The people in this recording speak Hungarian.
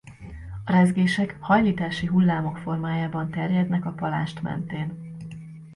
A rezgések hajlítási hullámok formájában terjednek a palást mentén.